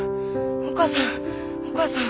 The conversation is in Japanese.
お母さんお母さん。